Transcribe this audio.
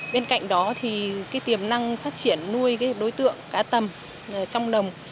bên cạnh đó thì tiềm năng phát triển nuôi đối tượng cá tầm trong đồng